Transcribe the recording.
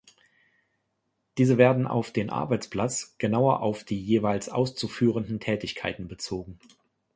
Diese werden auf den Arbeitsplatz, genauer auf die jeweils auszuführenden Tätigkeiten bezogen.